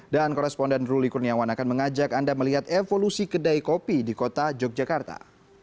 dan korespondan ruli kurniawan akan mengajak anda melihat evolusi kedai kopi di kota yogyakarta